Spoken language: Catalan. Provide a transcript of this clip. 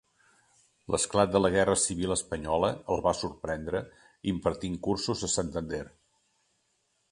L'esclat de la guerra civil espanyola el va sorprendre impartint cursos a Santander.